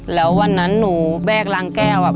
แล้ววันนั้นหนูแบกล้างแก้ว